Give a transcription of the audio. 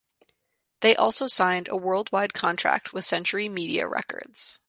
They also signed a worldwide contract with Century Media Records.